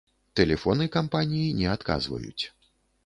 Тэлефоны кампаніі не адказваюць.